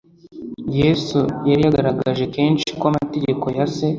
Yesu yari yagaragaje kenshi ko amategeko ya Se